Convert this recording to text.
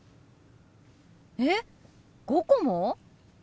えっ５個も？